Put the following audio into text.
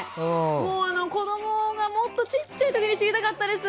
もう子どもがもっとちっちゃい時に知りたかったです。